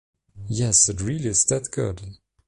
Yes, it really is that good.